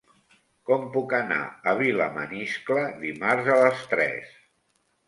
Com puc anar a Vilamaniscle dimarts a les tres?